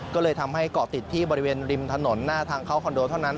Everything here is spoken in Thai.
ก็เลยทำให้เกาะติดที่บริเวณริมถนนหน้าทางเข้าคอนโดเท่านั้น